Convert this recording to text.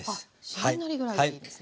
しんなりぐらいでいいですね。